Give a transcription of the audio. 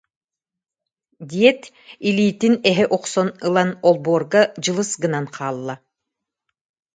диэт, илиитин эһэ охсон ылан олбуорга дьылыс гынан хаалла